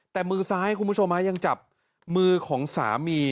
แต่มือซ้ายคุณผู้ชมยังจับมือของสามี